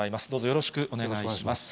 よろしくお願いします。